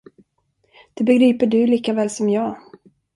Det begriper du lika väl som jag.